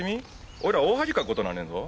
俺ら大恥かく事になんねんぞ。